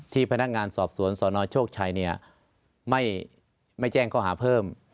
พนักงานสอบสวนสนโชคชัยไม่แจ้งข้อหาเพิ่ม